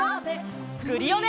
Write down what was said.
クリオネ！